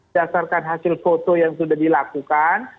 dasarkan hasil foto yang sudah dilakukan